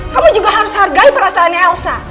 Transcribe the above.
kamu juga harus hargai perasaannya elsa